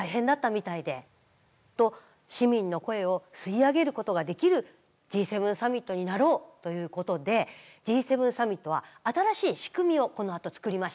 もっと市民の声を吸い上げることができるＧ７サミットになろうということでＧ７サミットは新しい仕組みをこのあと作りました。